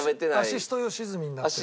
アシスト良純になってたから。